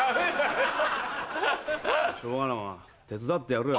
しょうがない手伝ってやるよ。